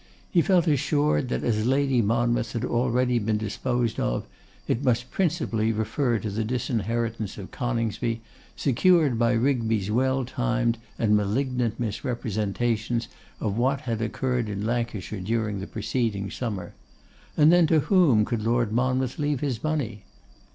He felt assured that, as Lady Monmouth had already been disposed of, it must principally refer to the disinheritance of Coningsby, secured by Rigby's well timed and malignant misrepresentations of what had occurred in Lancashire during the preceding summer. And then to whom could Lord Monmouth leave his money?